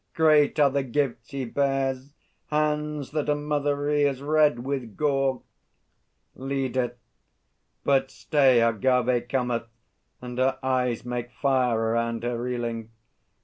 Great are the gifts he bears! Hands that a mother rears Red with gore! LEADER. But stay, Agâvê cometh! And her eyes Make fire around her, reeling!